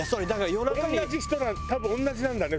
同じ人多分同じなんだね